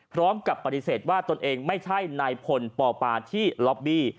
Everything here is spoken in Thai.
พร้อมกับปฏิเสธว่าตนเองไม่ใช่นายพลปปาที่ล็อบบี้